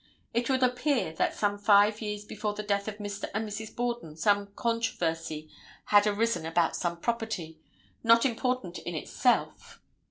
It will appear that some five years before the death of Mr. and Mrs. Borden some controversy had arisen about some property, not important in itself.